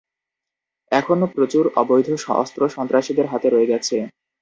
এখনো প্রচুর অবৈধ অস্ত্র সন্ত্রাসীদের হাতে রয়ে গেছে।